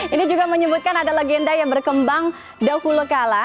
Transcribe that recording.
ini juga menyebutkan ada legenda yang berkembang dahulu kala